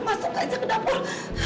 masuk aja ke dapur